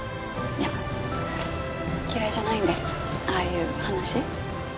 いや嫌いじゃないんでああいう話。